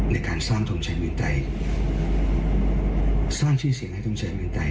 ในการสร้างธงชายเมืองใจสร้างชีวิตเสียงธงชายเมืองใจ